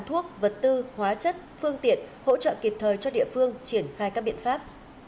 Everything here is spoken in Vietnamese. thuốc vật tư hóa chất phương tiện hỗ trợ kịp thời cho địa phương triển khai các biện pháp